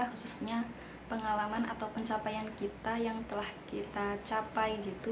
khususnya pengalaman atau pencapaian kita yang telah kita capai gitu